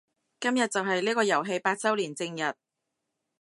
今日就係呢個遊戲八周年正日